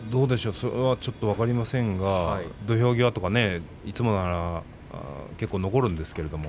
それは分かりませんが土俵際とか、いつもなら結構、残るんですけれど。